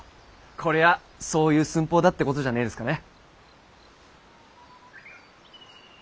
こりゃそういう寸法だってことじゃねえですかね？